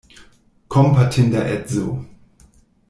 Kompatinda edzo!